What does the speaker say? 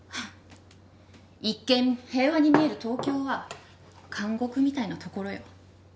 一見平和に見える東京は監獄みたいなところよ。